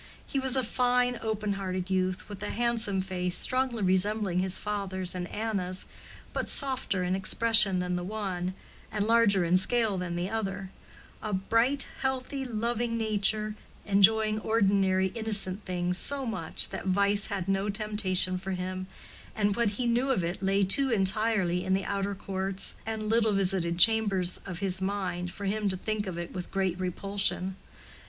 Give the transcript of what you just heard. He was a fine open hearted youth, with a handsome face strongly resembling his father's and Anna's, but softer in expression than the one, and larger in scale than the other: a bright, healthy, loving nature, enjoying ordinary innocent things so much that vice had no temptation for him, and what he knew of it lay too entirely in the outer courts and little visited chambers of his mind for him to think of it with great repulsion.